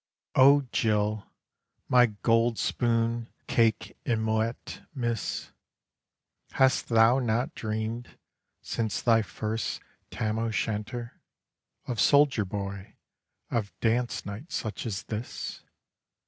O Jill, my gold spoon cake and Moët miss! Hast thou not dreamed, since thy first tam o' shanter, Of soldier boy, of dance night such as this?